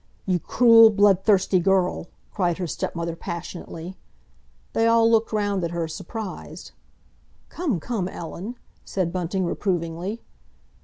"You cruel, bloodthirsty, girl!" cried her stepmother passionately. They all looked round at her, surprised. "Come, come, Ellen!" said Bunting reprovingly.